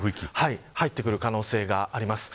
入ってくる可能性があります。